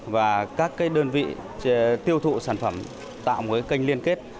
và các cái đơn vị tiêu thụ sản phẩm tạo một cái kênh liên kết